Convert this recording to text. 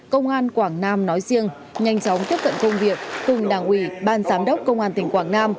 công an quảng nam nói riêng nhanh chóng tiếp cận công việc cùng đảng ủy ban giám đốc công an tỉnh quảng nam